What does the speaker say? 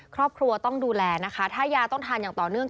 ครอบครัวต้องดูแลนะคะถ้ายาต้องทานอย่างต่อเนื่อง